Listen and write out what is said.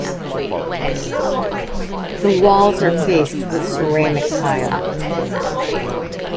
The walls are faced with ceramic tile.